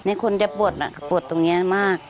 นี่คนจะปวดปวดตรงนี้มาก